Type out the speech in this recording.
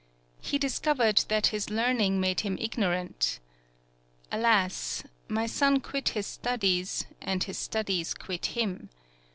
He dis covered that his learning made him ig norant. Alas! my son quit his studies and his studies quit him.